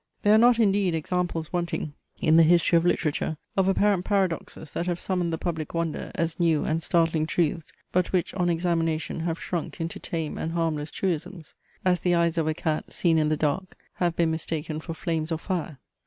There are not, indeed, examples wanting in the history of literature, of apparent paradoxes that have summoned the public wonder as new and startling truths, but which, on examination, have shrunk into tame and harmless truisms; as the eyes of a cat, seen in the dark, have been mistaken for flames of fire.